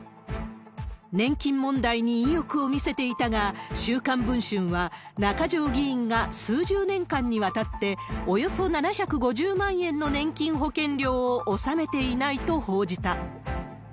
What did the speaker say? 年金問題に意欲を見せていたが、週刊文春は、中条議員が数十年間にわたって、およそ７５０万円の年金保険料を納めていないと報じた。